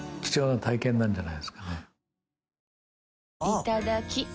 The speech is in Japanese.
いただきっ！